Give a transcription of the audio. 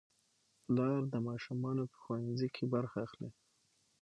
پلار د ماشومانو په ښوونځي کې برخه اخلي